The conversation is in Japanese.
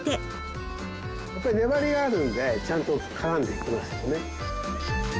やっぱり粘りがあるんでちゃんと絡んできますよね。